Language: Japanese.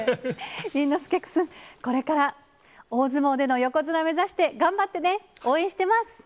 倫之亮君、これから大相撲での横綱目指して、頑張ってね、応援してます。